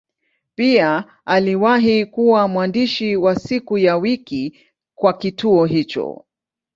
Pia aliwahi kuwa mwandishi wa siku ya wiki kwa kituo hicho.